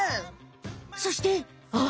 そしてあっ！